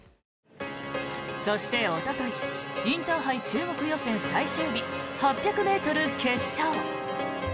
そして、おとといインターハイ中国予選最終日８００ｍ決勝。